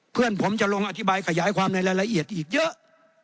เพื่อนผมจะลงอธิบายขยายความในรายละเอียดอีกเยอะ